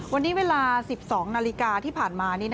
วันนี้เวลา๑๒นาฬิกาที่ผ่านมา